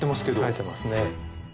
耐えてますね。